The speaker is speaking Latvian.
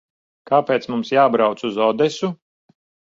Kāpēc mums jābrauc uz Odesu?